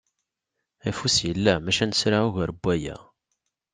Afus yella maca nesra ugar n waya.